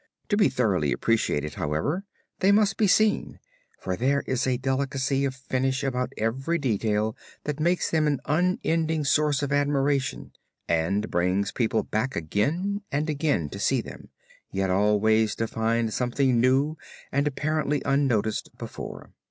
To be thoroughly appreciated, however, they must be seen, for there is a delicacy of finish about every detail that makes them an unending source of admiration and brings people back again and again to see them, yet always to find something new and apparently unnoticed before.